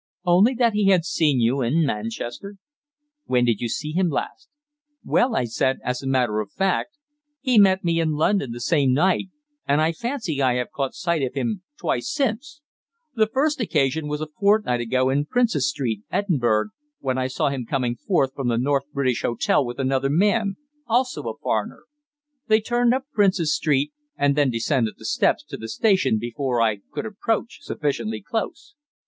"Only that he had seen you in Manchester." "When did you see him last?" "Well," I said, "as a matter of fact he met me in London the same night, and I fancy I have caught sight of him twice since. The first occasion was a fortnight ago in Princes Street, Edinburgh, when I saw him coming forth from the North British Hotel with another man, also a foreigner. They turned up Princes Street, and then descended the steps to the station before I could approach sufficiently close.